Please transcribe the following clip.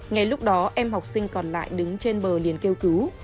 ngay lúc đó em học sinh còn lại đứng trên bờ liền kêu cứu